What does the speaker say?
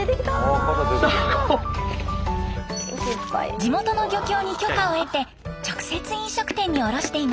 地元の漁協に許可を得て直接飲食店に卸しています。